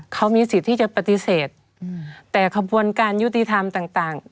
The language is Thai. เขามีสิทธิ์ที่จะปฏิเสธแต่ขบวนการยุติธรรมต่าง